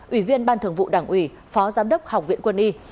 ủy viên ban thường vụ đảng ủy phó giám đốc học viện quân y